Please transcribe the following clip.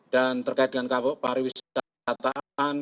dan terkait dengan pariwisataan